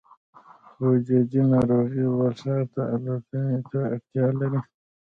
خو جدي ناروغۍ بل ښار ته الوتنې ته اړتیا لري